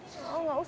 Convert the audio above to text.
gak usah nangis